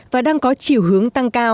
và đang có chiều hướng tăng cao